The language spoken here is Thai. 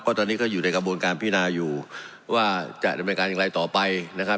ตอนนี้ก็อยู่ในกระบวนการพินาอยู่ว่าจะดำเนินการอย่างไรต่อไปนะครับ